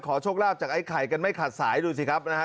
โชคลาภจากไอ้ไข่กันไม่ขาดสายดูสิครับนะฮะ